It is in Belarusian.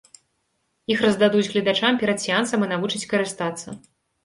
Іх раздадуць гледачам перад сеансам і навучаць карыстацца.